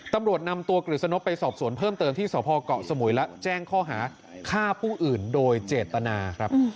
ตำรวจนำตัวกฤษณพไปสอบสวนเพิ่มเติมที่สพเกาะสมุยและแจ้งข้อหาฆ่าผู้อื่นโดยเจตนาครับ